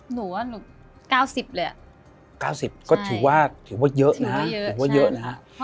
หนูว่าหนูเก้าสิบเลยอ่ะเก้าสิบก็ถือว่าถือว่าเยอะนะถือว่าเยอะนะ